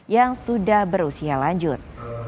yang sudah berusia lanjut